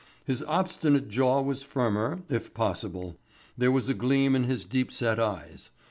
His obstinate jaw was firmer, if possible; there was a gleam in his deep set eyes.